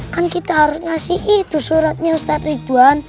kan kita harus ngasih itu suratnya ustadz ridwan